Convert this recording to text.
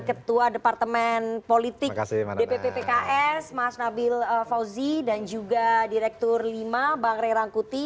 ketua departemen politik dpp pks mas nabil fauzi dan juga direktur lima bang ray rangkuti